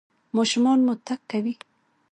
ماشوم مو تګ کوي؟